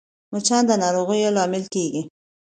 مچان د ناروغیو لامل کېږي